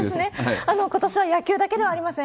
ことしは野球だけではありません。